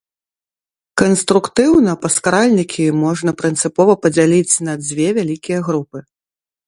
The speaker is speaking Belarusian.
Канструктыўна паскаральнікі можна прынцыпова падзяліць на дзве вялікія групы.